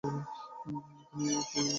এখানে তো আমার ছবি নেই!